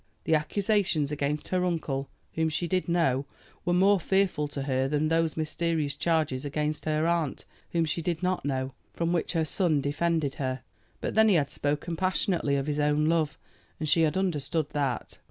The accusations against her uncle, whom she did know, were more fearful to her than these mysterious charges against her aunt, whom she did not know, from which her son defended her. But then he had spoken passionately of his own love, and she had understood that.